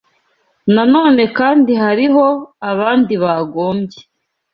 Nanone kandi hariho abandi bagombye